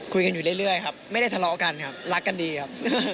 คุยกันอยู่เรื่อยครับไม่ได้ทะเลาะกันครับรักกันดีครับ